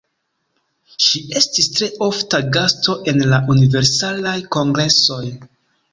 Ŝi estis tre ofta gasto en la Universalaj Kongresoj.